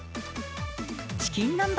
チキン南蛮